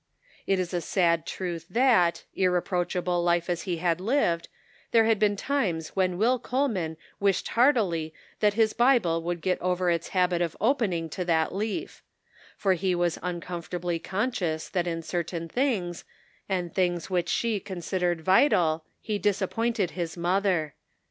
It is a sad truth that, irreproachable life as he had lived, there had been times when Will Coleman wished heartily that his Bible would get over its habit of opening to that leaf; for he was uncomfortably conscious that in certain things, and things which she considered vital, he disappointed his mother.